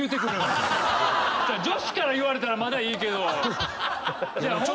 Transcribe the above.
女子から言われたらまだいいけど。